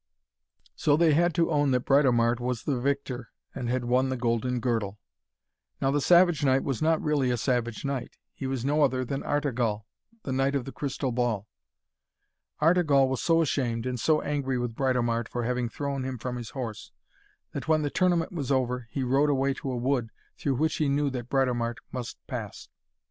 So they had to own that Britomart was the victor, and had won the golden girdle. Now the Savage Knight was not really a savage knight. He was no other than Artegall, the knight of the Crystal Ball. Artegall was so ashamed, and so angry with Britomart for having thrown him from his horse, that when the tournament was over, he rode away to a wood, through which he knew that Britomart must pass.